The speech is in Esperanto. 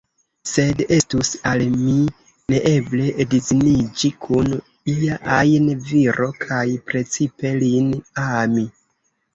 Sed estus al mi neeble edziniĝi kun ia ajn viro, kaj precipe lin ami.